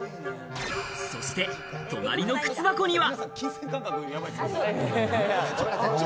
そして隣の靴箱には。